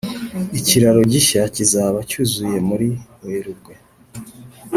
ikiraro gishya kizaba cyuzuye muri werurwe.